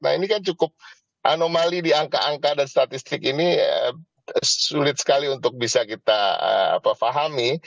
nah ini kan cukup anomali di angka angka dan statistik ini sulit sekali untuk bisa kita fahami